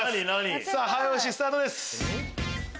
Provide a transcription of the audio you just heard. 早押しスタートです。